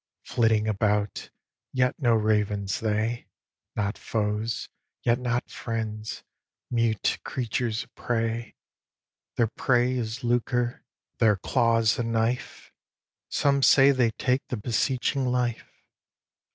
Flitting about, yet no ravens they, Not foes, yet not friends mute creatures of prey; Their prey is lucre, their claws a knife, Some say they take the beseeching life.